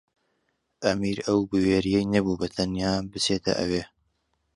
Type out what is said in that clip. ئەمیر ئەو بوێرییەی نەبوو بەتەنیا بچێتە ئەوێ.